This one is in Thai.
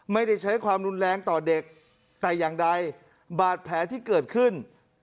ไม่ได้ใช้ความรุนแรงต่อเด็กแต่อย่างใดบาดแผลที่เกิดขึ้น